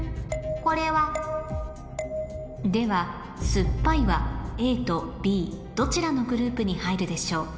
これは？では「すっぱい」はＡとＢどちらのグループに入るでしょう？